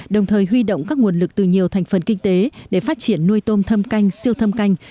đồng thời huy động các nguồn lực từ nhiều thành phần kinh tế để phát triển nuôi tôm thâm canh siêu thâm canh